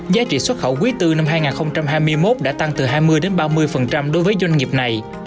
giá trị xuất khẩu quý bốn năm hai nghìn hai mươi một đã tăng từ hai mươi ba mươi đối với doanh nghiệp này